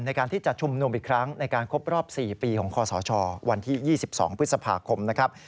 ในการที่จะชุมนุมอีกครั้งในการครบรอบ๔ปีของคอสชวันที่๒๒พฤษภาคมนะครับ